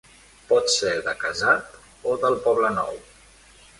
Pot ser de casat o del Poblenou.